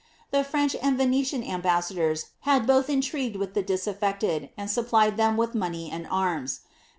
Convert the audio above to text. The French and Venetian ambassadors had both intrigued with the disafTectet), and supplied them with money and arms.